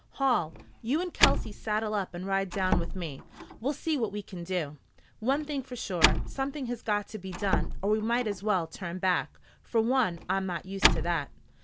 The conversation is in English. "Hall, you and Kelsey saddle up and ride down with me. We'll see what we can do. One thing sure, something has got to be done, or we might as well turn back. For one, I'm not used to that."